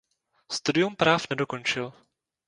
Studium práv nedokončil.